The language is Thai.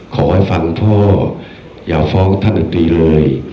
ขอให้ฟังพ่ออย่าฟ้องท่านอื่นเลย